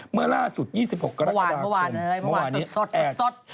เมื่อล่าสุด๒๖กรกฎาคมเมื่อวานเมื่อวานเลยเมื่อวานสด